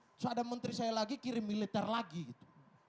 terus ada menteri saya lagi kirim militer lagi gitu